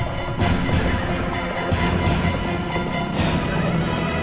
kak malam banget pasti kita berdua